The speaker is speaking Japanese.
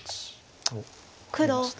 おっハネました。